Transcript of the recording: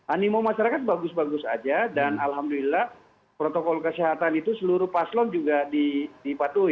animo masyarakat bagus bagus saja dan alhamdulillah protokol kesehatan itu seluruh paslon juga dipatuhi